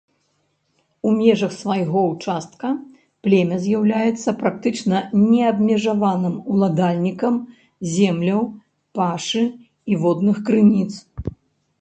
У межах свайго ўчастка племя з'яўляецца практычна неабмежаваным уладальнікам земляў, пашы і водных крыніц.